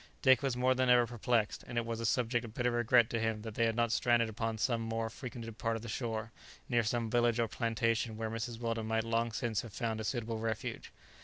Dick was more than ever perplexed, and it was a subject of bitter regret to him that they had not stranded upon some more frequented part of the shore, near some village or plantation where Mrs. Weldon might long since have found a suitable refuge.